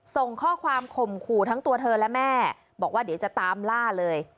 ส่งข้อความข่มขู่ทั้งตัวเธอและแม่บอกว่าเดี๋ยวจะตามล่าเลย